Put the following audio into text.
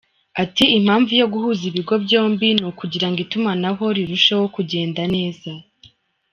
Ati “Impamvu yo guhuza ibigo byombi ni ukugira ngo itumanaho rirusheho kugenda neza.